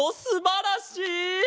すばらしい！